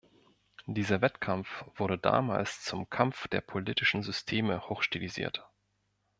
Dieser Wettkampf wurde damals zum Kampf der politischen Systeme hochstilisiert.